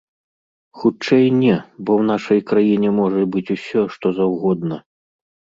Хутчэй не, бо ў нашай краіне можа быць усё, што заўгодна.